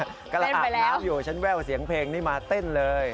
เต้นไปแล้วกำลังอาบน้ำอยู่ฉันแววเสียงเพลงนี่มาเต้นเลย